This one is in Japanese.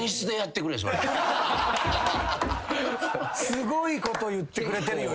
すごいこと言ってくれてるよ